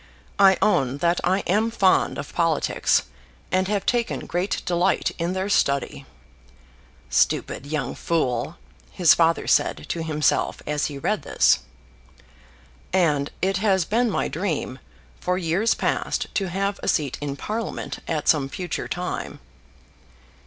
I own that I am fond of politics, and have taken great delight in their study ("Stupid young fool!" his father said to himself as he read this) and it has been my dream for years past to have a seat in Parliament at some future time.